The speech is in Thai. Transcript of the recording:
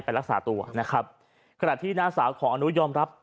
รักษาตัวนะครับขณะที่น้าสาวของอนุยอมรับ